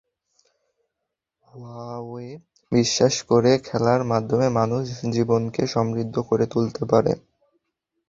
Huawei বিশ্বাস করে খেলার মাধ্যমে মানুষ জীবনকে সমৃদ্ধ করে তুলতে পারে।